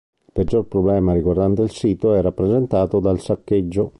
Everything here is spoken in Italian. Il peggior problema riguardante il sito è rappresentato dal saccheggio.